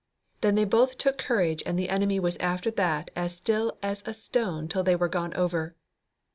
Then they both took courage and the enemy was after that as still as a stone till they were gone over.